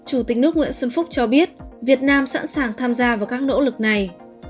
chủ tịch nước nguyễn xuân phúc cho biết việt nam sẵn sàng tham gia vào các nỗ lực này